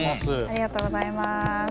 ありがとうございます。